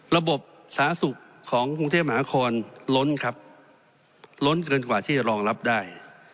ระบบสาธารณสุขของกรุงเทพมหาคอนล้นครับล้นเกินกว่าที่จะรองรับได้